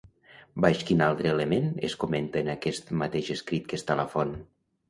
Baix quin altre element es comenta en aquest mateix escrit que està la font?